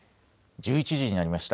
１１時になりました。